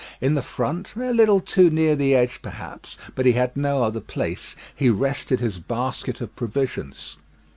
In the front a little too near the edge perhaps, but he had no other place he rested his basket of provisions.